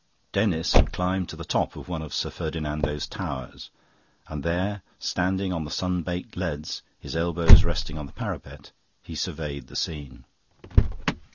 Denis had climbed to the top of one of Sir Ferdinando's towers, and there, standing on the sun baked leads, his elbows resting on the parapet, he surveyed the scene.